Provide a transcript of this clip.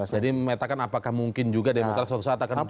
jadi memetakan apakah mungkin juga demokrat suatu saat akan berpulih